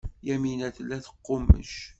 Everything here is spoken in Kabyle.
Yamina tella teqqummec.